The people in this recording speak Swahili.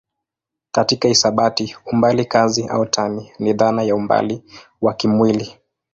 Katika hisabati umbali kazi au tani ni dhana ya umbali wa kimwili.